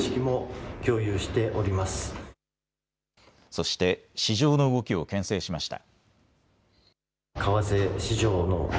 そして市場の動きをけん制しました。